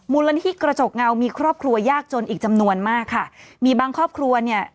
มูลนิธิกระจกเงามีครอบครัวยากจนอีกจำนวนมากค่ะมีบางครอบครัวเนี่ย